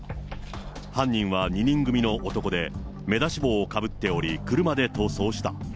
犯人は２人組の男で、目出し帽をかぶっており、車で逃走した。